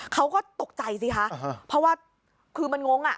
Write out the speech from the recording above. เขาก็ตกใจสิคะเพราะว่าคือมันงงอ่ะ